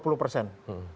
sisa dua puluh persen